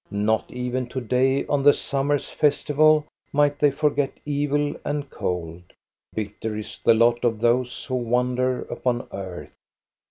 Not even to day on the summer's festival might they forget evil and cold. Bitter is the lot of those who wander upon earth.